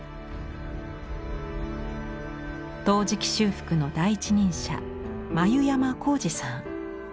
陶磁器修復の第一人者繭山浩司さん。